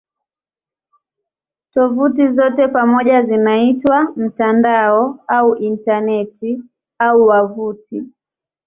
Tovuti zote pamoja zinaitwa "mtandao" au "Intaneti" au "wavuti".